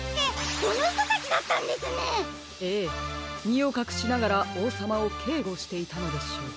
みをかくしながらおうさまをけいごしていたのでしょう。